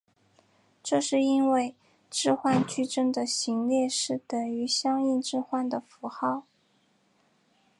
这是因为置换矩阵的行列式等于相应置换的符号。